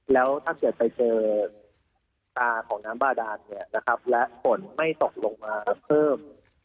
แล้วถ้าเกิดไปเจอตาของน้ำบาดานและฝนไม่ตกลงมาเพิ่ม